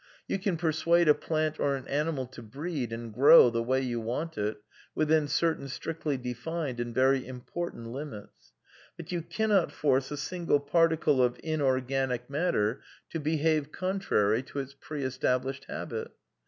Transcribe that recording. You can persuade a plant or an animal to breed and grow the way you want it — within certain strictly defined and very im ^ portant limits. But you cannot force a single particle of V^ inorganic matter to behave contrary to its pre established''^ habit.